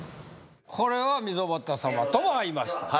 これは溝端様とも合いましたね？